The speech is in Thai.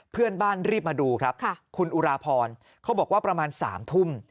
เพื่อนบ้านรีบมาดูครับคุณอุราพรเขาบอกว่าประมาณ๓ทุ่ม